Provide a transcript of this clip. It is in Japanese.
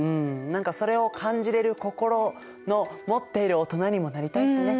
何かそれを感じれる心の持っている大人にもなりたいよね。